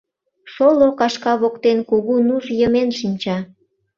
Шоло кашка воктен кугу нуж йымен шинча.